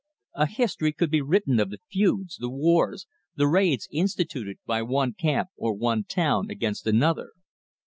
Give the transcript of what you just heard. A history could be written of the feuds, the wars, the raids instituted by one camp or one town against another.